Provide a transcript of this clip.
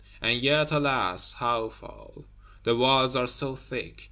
And yet, alas! how fall? The walls are so thick!